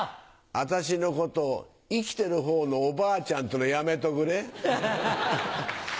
私のことを「生きてる方のおばあちゃん」って言うのやめとくれ。